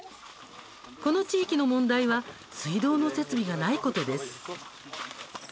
この地域の問題は水道の設備がないことです。